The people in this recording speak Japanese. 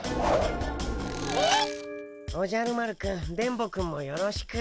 おじゃる丸くん電ボくんもよろしく。